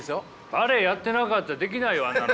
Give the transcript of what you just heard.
バレエやってなかったらできないよあんなの。